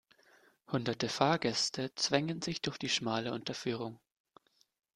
Hunderte Fahrgäste zwängen sich durch die schmale Unterführung.